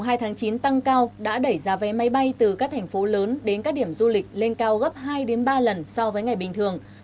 nhu cầu đi lại dịp quốc khánh mủ hai tháng chín tăng cao đã đẩy giá vé máy bay từ các thành phố lớn đến các điểm du lịch lên cao gấp hai ba lần so với ngày bình thường